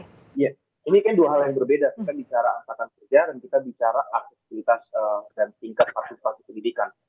iya ini kan dua hal yang berbeda kita bicara angkatan kerja dan kita bicara aksesibilitas dan tingkat partisipasi pendidikan